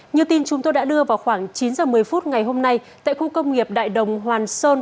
như tin chúng tôi đã đưa vào khoảng chín h một mươi phút ngày hôm nay tại khu công nghiệp đại đồng hoàn sơn